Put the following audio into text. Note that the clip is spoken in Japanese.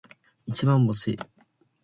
一番星